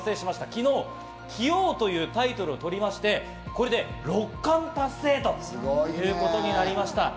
昨日、棋王というタイトルを取りまして、これで六冠達成ということになりました。